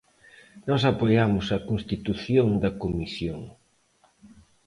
Nós apoiamos a constitución da comisión.